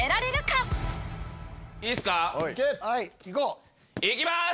いこう！いきます！